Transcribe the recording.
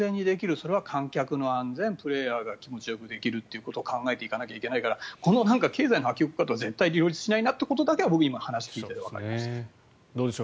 それは観客の安全、プレーヤーが気持ちよくできるということを考えていかなきゃいけないから経済の波及効果は絶対両立しないなということは僕、話を聞いていて思いました。